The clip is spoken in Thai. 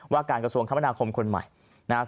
ว่ากรกศวงข้ามภนาคมคลุม่าย